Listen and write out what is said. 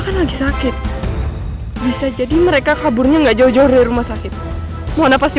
kalo mona itu sebenernya adalah putri